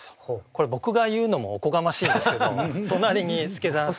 これ僕が言うのもおこがましいですけど隣に祐真さん。